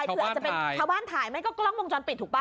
ชาวบ้านถ่ายไหมก็กล้องมงจรปิดถูกปะ